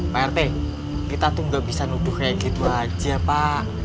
pak rt kita tuh gak bisa nuduh kayak gitu aja pak